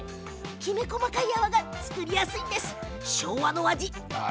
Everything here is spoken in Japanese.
きめ細かい泡が作りやすいんです。